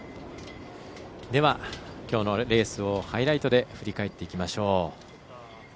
きょうのレースをハイライトで振り返っていきましょう。